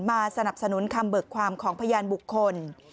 สนับสนุนคำเบิกความของพยานบุคคล